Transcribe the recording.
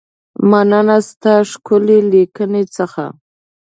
مننه ستا له ښکلې لیکنې څخه.